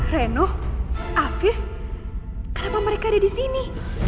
reno afif kenapa mereka ada disini